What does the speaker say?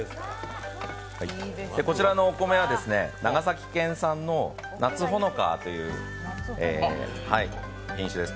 こちらのお米は長崎県産のなつほのかという品種です。